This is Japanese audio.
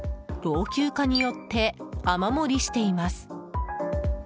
老朽化によって雨漏りしています。